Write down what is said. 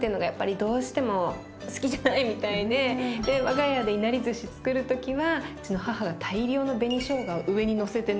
我が家でいなりずしつくる時はうちの母が大量の紅しょうがを上にのせてね